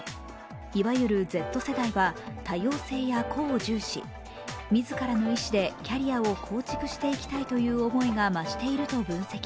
いわゆるＺ世代は多様性や個を重視、自らの意志をキャリアを構築していきたいという意欲が増していると分析。